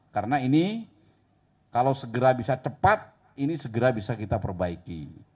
karena ini kalau segera bisa cepat ini segera bisa kita perbaiki